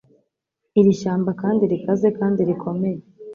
iri shyamba kandi rikaze kandi rikomeye